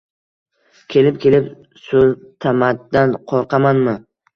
– Kelib-kelib, sen so‘ltamatdan qo‘rqamanmi?